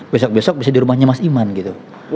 besok besok bisa di rumahnya mas iman gitu